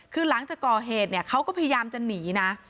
คือหลังจากก่อเหตุเนี่ยเขาก็พยายามจะหนีนะ